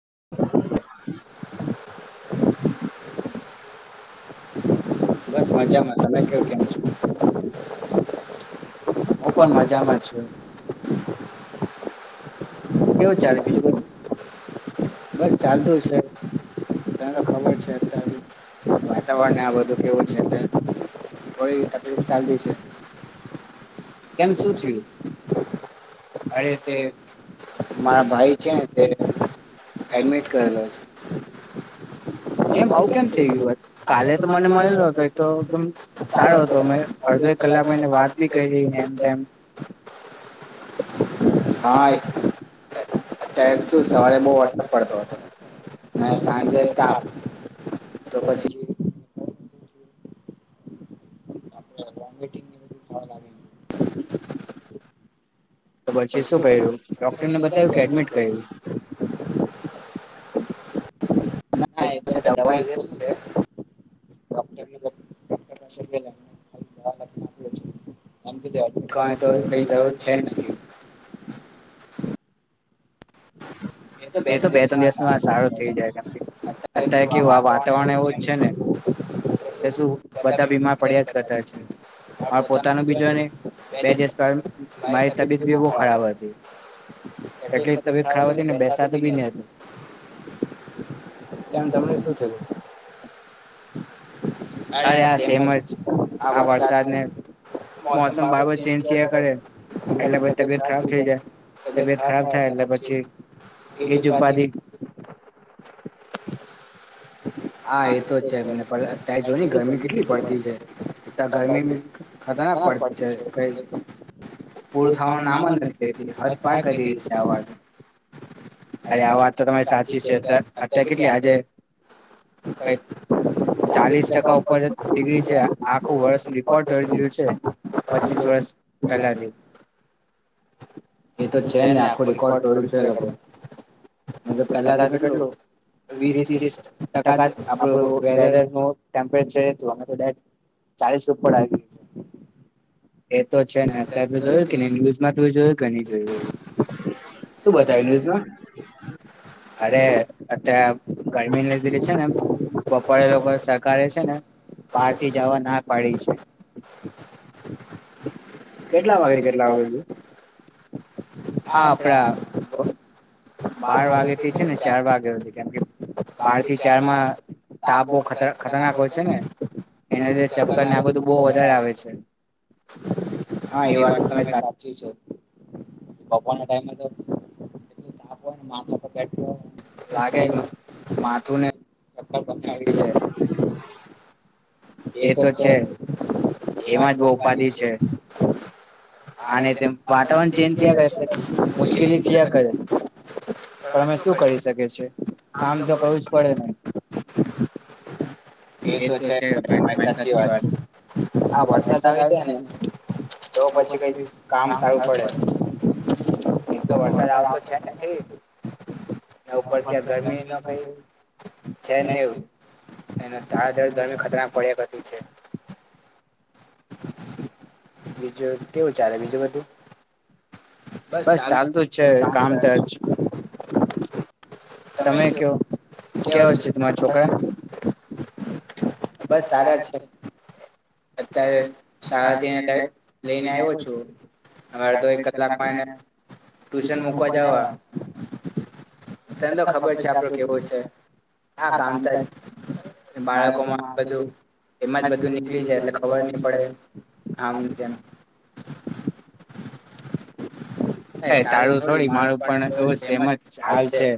[inaudible] [inaudible] [inaudible] બસ મજામાં, તમે કેવું કેમ છો? હું પર માંજામાં છું. [inaudible] કેવું ચાલે બીજું બધું? બસ ચાલતું છે તને ખબર છે અત્યાર નું વાતાવરણ આ બધું કેવું છે થોડી તકલીફ ચાલતી છે. [inaudible] કેમ શું થયું? અરે તે, મારા ભાઈ છે ને તે એડમિટ કરેલા છે. કેમ, આવું કેમ થઈ ગયું? કાલે તો મને મલેલો હતો તો એકદમ સારો હતો મે અડધો એક કલાક એને વાત બી કૈરુ ને એમ તેમ [inaudible] હા એ અતારે શું સવારે બહુ વરસાદ પડતો હતો, ને સાંજે તાપ, તો પછી [inaudible] તો બછી સુ કર્યું, ડોક્ટરને બતાયું, કે એડમિટ કર્યું? હા એ તો [unintelligible] દવાું છે. [unintelligible] આમ કીધે, આપણું કામ કોઈ, કઈ સારું છે નહીં. એ તો બે ત્રણ દિવસમાં સારો થઈ જાય, એમ કે. અત્યારે કેવું આ વાતાવરણ એવું જ છે ને? એટલે સુ, બધા બીમાર પડ્યા જ કરતા હોય છે. મારો પોતાનું બી જોને! બે દિવસ પરમ, મારી તબિયત બી બહુ ખરાબ હતી. એટલી તબિયત ખવાતું ને બેસાતું એમ? તમને સુ થયું? અરે! આ સેમ જ. આ વરસાદને મોસમ બારબાર ચેન્જ થીયા કરે, એટલે પછ તબિયત ખરાબ થઈ જાય. તબિયત ખરાબ થાય એટલે પછી એજ ઉપાધિ હા, એ તો છે ની પડે, અત્યારે જો ગરમી કેટલી પડતી છે, ગરમી ખતરનાક પડતી છે કઈ! પૂરું થવાનું નામ જ નથી લેતી, હદ પાર કરી દીધી છે આ વાર. અરે આ વાત તમારી સાચી છે અત, અત્યારે કેટલી આજે કઈક ચાલીસ ટકા ઉપર ડિગ્રી છે, આખું વર્ષ રેકોર્ડ તોડી દીધું છે, પચીસ વર્ષ પહેલાથી. એ તો છે ને આખું રેકોર્ડ તોડયુ છે એ લોકો. નહીં તો પેલા તો કેટલું વીસ ત્રીસ તક ટકા જ આપણો વેધરનો ટેમ્પરેચર તો કદાચ ચાલીસ ઉપર આવી ગ્યુ છે. [unintelligible] તો છે ને! અત્યારે તમે જોયુ કે નહીં, ન્યુઝમાં તો જોયુ? ક ની જોયું? શું બતાવે ન્યૂઝમાં? અરે! અત્યારે ગમીને લી છે ને, બપોરેે લોકો એ સરકારે છે ને, બહાર થી જવા ના પાડી છે. કેટલા વાગેથી કેટલા વાગે હુધી? હા, આપડા બાર વાગે થી છે ને ચાર વાગ્યા હુધી, કેમ કે બાર થી ચાર માં તાપ બહુ ખતર, ખતરનાક હોય છે ને! એને લીધે ચક્કર ને આ બધું બહુ વધારે આવે છે. હા, એ વાત તો તમાઈ સાચી છે. બપોરના ટાઈમે તો તાપ કોઇને માથા પર કેટ લાગે થોડું, માથુંને ચક્કર પણ આવી જાય. એ તો છે, એમાં જ બહુ ઉપાધિ છે. હા ને તેમ, વાતાવરણ ચેન્જ થયા કરે, મુશ્કેલી થયા કરે, પણ અમે શું કરી શકીએ છીએ? કામ તો કરવું જ પડે ને! [inaudible] એ તો છે તમારી સાચી વાત છે આ વરસાદ આવી જાય ને તો પછી કઈ કામ સારું પડે એક તો વરસાદ આવતો છે નથી ઉપર ત્યાં ગરમી ન કઈ છે જ ને એવું! એનાથી ધાડાધડ ગરમી ખતરા પડ્યા હતું છે [inaudible] બીજું કેવું ચારે બીજું? બજ બધ બસ ચાલતું જ છે કામ તોજ તમે કયો કવ છે તમારા છોકરા? બસ સારા છે. અત્યારે શાળાથીને લઈને આવ્યો છું અમારે તો એક કલાકમાં એને ટુશન મૂકવા જવા. તને તો ખબર છે આપડો કેવો છે આ કામકાજ બાળકોમાં બધું એમાં જ બધું નીકળી જાય એટલે ખબર નહી પડે આમ જેમ. એ તારું થોડી મારું પણ એવું સેમ જ હાલ છે.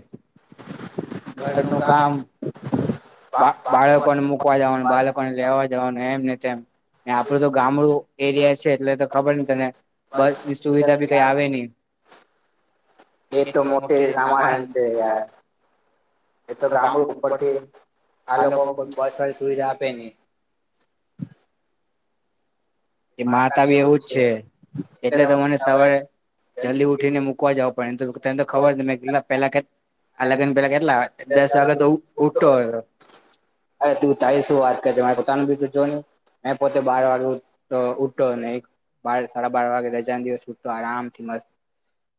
[inaudible] બા બાળકોને મુકવા જવાનું બાળકોને લેવા જવાનું એમ ને તેમ. આપડું તો ગામડું એરિયા છે એટલે તો ખબર ન તને એ તો મોટે રામાયણ છે યાર. એ તો ગામડું ઉપરથી આ લોકો કોઈ બસ વાળી સુવિધા આપે નહી. એ મારતા બી એવું જ છે એટલે તો મને સવારે જલ્દી ઉઠીને મૂકવા જાવ પડે એ તો તન તો ખબર ને મેં પેલા આ લગન પેલા કેટલાય દસ વાગે તો ઉઠો. પોતાનું બીધું જો ન મે પોતે બાર વાળું તો ઉટો ને એક બાર સાડા બાર વાગે રજા દિવસ છટતો આરામ થી મસ્ત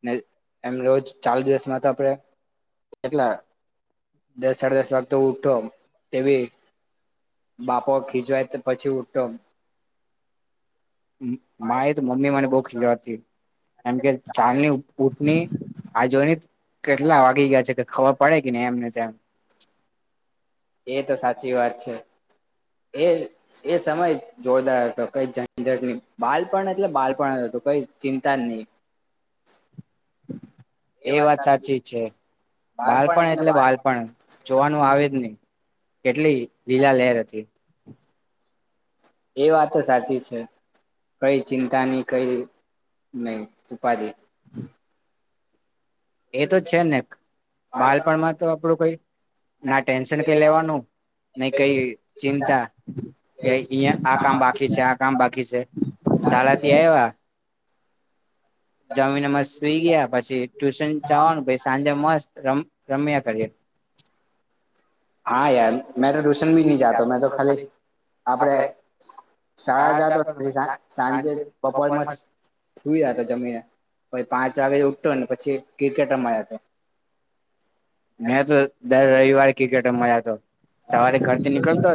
ને એમ રોજ ચાલુ દિવસમાં તો આપડે એટલા દસ સાડાે દસ વાગે તો ઉઠો તેવી બાપો ખીજવાય તો પછી ઉઠો. મા એ તો મમ્મી મને બહ ખીલવા હતી. એમ કે ચાલની ઉટની આ જોયે કેટલા વાગી ગયા છે કે ખબર પડે કે ન એમને તેમ એ તો સાચી વાત છે એ એ સમય જોરદાર હતો કઈ ઝંઝટ ની બાળપણ એટલે બાળપણ હતું કઈ ચિંતા જ નહી. એ વાત સાચી છે બાળપણ એટલે બાળપણ જોવાનું આવે જ નહી કેટલી લીલા લહેર હતી એ વાત સાચી છે કઈ ચિંતાની કઈ નહી ઉપાધી એ તો છે ને બાળપણમાં તો આપડું કઈ ના ટેન્શન કઈ લેવાનું નઈ કઈ ચિંતા કે અહીયા આ કામ બાકી છે આ કામ બાકી છે શાલાાથી આવ્યા જમીને મસ્ત સુઈ ગયા પછી ટ્યુશન ચવાનું સાંજે મસ્ત રમ રમ્યા કરીએ હા યાર મેં તો ટ્યુશન બી નહી જાતો મેં તો ખાલી આપડે શાળા જાતો પછી સાંજે બપોરમાં સુૂઈ જતો જમીને પછી પાંચ વાગે ઉઠતો ને પછી ક્રિકેટ રમવા જતો [inaudible] મેં તો દર રવિવાર ક્રિકેટ રમવા તો સવારે ઘરથી નીકળતો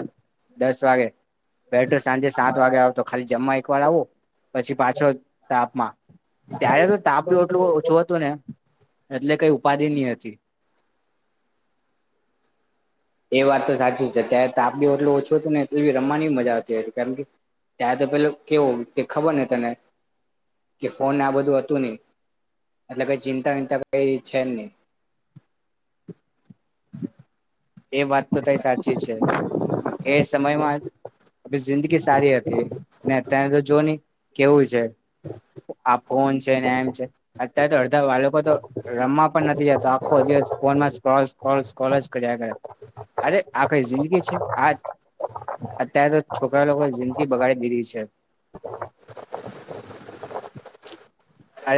દસ ત્યારે બેતો સાંજે સાત વાગે આવ તો ખાલી જમવા એક વાર આવો પછી પાછો તાપમાં ત્યારે તો તાપ બી એટલું ઓછું હતું ને એટલે કઈ ઉપાધિ નની હતી એ વાત તો સાચી જ છે ત્યારે તાપ બી એટલું ઓછું હતું ને એટલ રમવાની મજા આવતી હતી કારણ કે ત્યારે તો પેલુ કેવું તે ખબર નને તને કે ફોન આ બધું હતું ની એટલે કઈ ચિંતા વીનતા કઈ છે નહી એ વાત તો તારી સાચી છે એ સમયમાં જિંદગી સારી હતી અત્યારે તો જો ઓને કેવું છે આ ફોન છે એમ છે અત્યારે તો અડધા બાળકો તો રમવા પણ નથી જતા અરે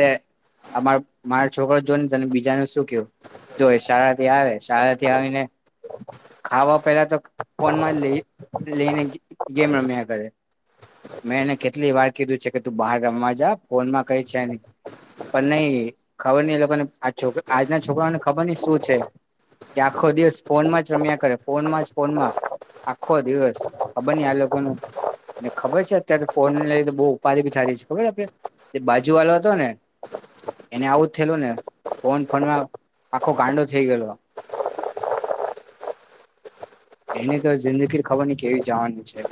અ મારો છોકરો જો ને તને બીજાનું શું કું જો શાળાથી આવે શાળાથી આવીને ખાવા પેલા તો ફોનમાં લઈ લઈને ગેમ રમ્યા કરે મેં એને કેટલી વાર કીધું છે કે તું બહાર રમવા જ જા ફોન માં કઈ છે આની પણ નહી ખબર નહી એ લોકોને આ છોક આજના છોકરાને ખબર નહ શું છે કે આખો દિવસ ફોન માં જ રમ્યા કરે ફોન માં જ ફોનમાં આખો દિવસ ખબર નઈ આ લોકો ને ને ખબર છે અત્યારે ફોન ને લઈ બહુ ઉપાારી બી સારી છે ખબર આપે એ બાજુ વાડો હતો ને એને આવું જ થયેલું ને ફોન ફોનમાં આખો ગાંડો થઈ ગયેલો એને તો જિંદગી ખબર ન કેવી જવાની છે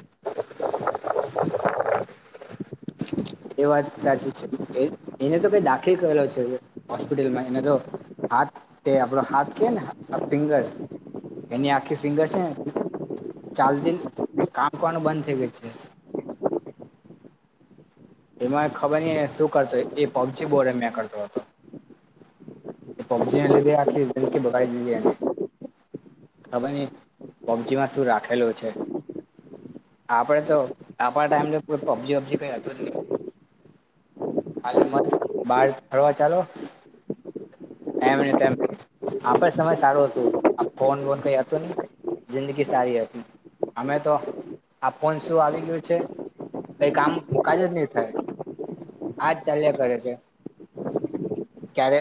એ વાત સાચી છે એ એને તો કઈ દાખીલ કરલો છે હોસ્પિટલમાં એનો તો હાથ તે આપડો હાથ કે ને ફિંગર એની આખી ફિંગર છે ને ચાલતી કામ કરવાનું બંધ થઈ ગયું છે એમાં ખબર નઈ શું કરતો એ પબજી બો રમિયા કરતો હતો એ પબજી ના લીધે આખી જિનકી બગાડી દીધી એને ખબર નહી પબજી માં શું રાખેલું છે આપણેે તો આપણા ટાઈમ તો પબજી ઓબજી કઈ હતું જ નહી ખાલી મસ્ત બાર ફરવા ચાલો એમને તેમ આપે સમય સારું હતું આ ફોન બોન કઈ હતું નહી જિંદગી સારી હતી અમે તો આ ફોન શું આવી ગયો છે કઈ કામ કાજ જ નહી થાય આજ ચાલ્યા કરે છે ક્યારે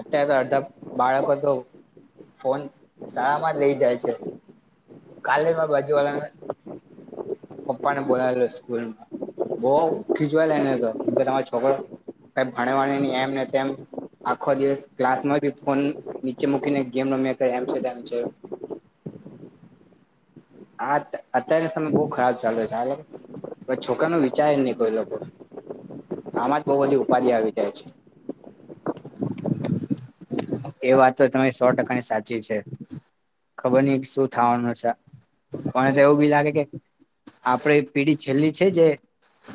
અત્યારે તો અડધા બાળકો તો ફોન શાળામાં જ લઈ જાય છે કાલેમાં બાજુવાલા ને પપ્પાને બો સ્કૂલમાં બ ખીચવાયેલાને હતો તમારો છોકરો ક ભાણેવા ન એમને તેમ આખો દિવસ ક્લાસમાં ફોન નીચે મૂકીને ગમ મે અત્યારેમે બ ખરાબ ચા છે પણ છોકરા ન વિચાર જ નહી કોઈ લોકો આમાં જ બહ બધી ઉપાધિ આવી જાય છે. એ વાત તો તમારી સો ટકાની સાચી છે ખબર નહ શું થવાનું. અચછા. અને તો એવું બી લાગે કે આપડે પીઢી છેલ્લી છે જે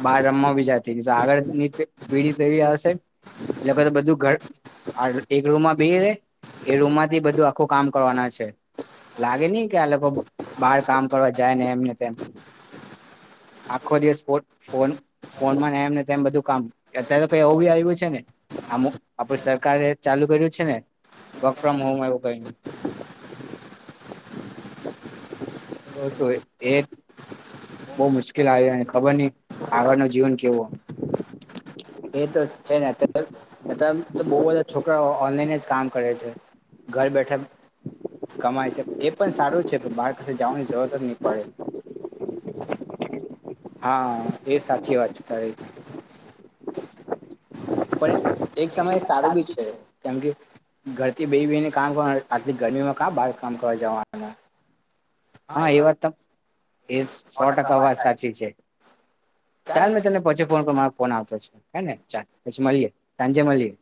બાર રમવા બી જતી આગળની પીઢી તો એવી હશે એટ બધું ઘ એક રૂમમાં એ રૂમ માંથી બધા આખું કામ કરવાના છે લાગે નહી. આલોકો બાર કામ કરવા જાય ને એમને આખો દિવસ ફોનમાં એમ ને તેમ બધું કામ અત્યારે તો કઈ એવું બી આવ્યું છે ને આમ આપડ સરકારે ચાલુ કર્યું. વ ફોમ હોમ તો શ એ બહ મુશ્કેલ આવ અને ખબર નહ આગળ ન જીવન કેવો. એ તો છે ને અ્યારે અત્યારે તો બહ બધા છોકરાઓ ઓનલાઈન જ કામ કરે છે ઘર બેઠા કમાય છે એ પણ સારું છે બળ કસે જવાની જરૂરત જ નહી પડે. હા એ સાચી વાત છે તારી પણ એક સમય સારું બી છે કેમ કે ઘરથી બે બેને કામ કરવાનું આજલી ગરમીમાં કા બાર કામ કરવા જવાનું. હા એ વાત ત એ સો ટકા વાત સાચી છે ચાલ મેં તને પછી ફોન કર મારો ફોન આવતો. હે ને ચાલ પછી મળીએ સાંજે મળીએ.